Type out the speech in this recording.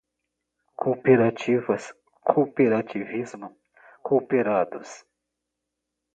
Cooperativas, cooperativismo, cooperados